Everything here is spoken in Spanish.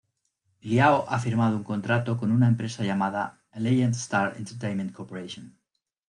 Liao ha firmado un contrato con una empresa llamada "A Legend Star Entertainment Corp.